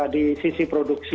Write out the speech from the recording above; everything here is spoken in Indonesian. di sisi produksi